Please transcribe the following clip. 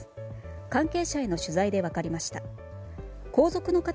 関係者への取材で分かりました。